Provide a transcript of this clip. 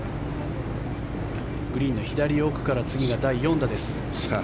グリーンの左奥から次が第４打です。